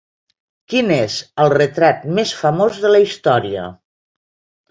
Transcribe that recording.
Quin és el retrat més famós de la història?